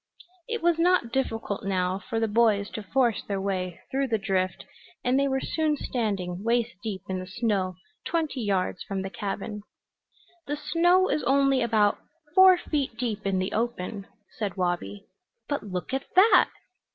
It was not difficult now for the boys to force their way through the drift and they were soon standing waist deep in the snow twenty yards from the cabin. "The snow is only about four feet deep in the open," said Wabi. "But look at that!"